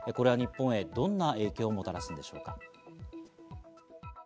日本へどんな影響をもたらすのでしょうか。